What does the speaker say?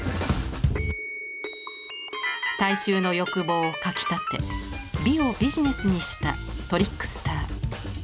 大衆の欲望をかきたて美をビジネスにしたトリックスター。